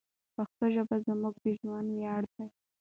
پښتو ژبه زموږ د ژوند ویاړ دی.